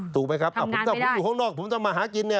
ถูกไหมครับถ้าผมอยู่ข้างนอกผมต้องมาหากินเนี่ย